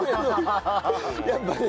やっぱね。